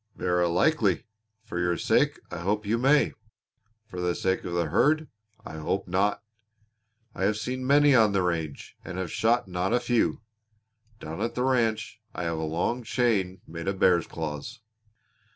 "Verra likely. For your sake I hope you may; for the sake of the herd I hope not. I have seen many on the range and have shot not a few. Down at the ranch I have a long chain made of bears' claws."